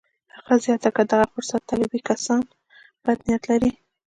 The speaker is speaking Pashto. هغه زياته کړه چې دغه فرصت طلبي کسان بد نيت لري.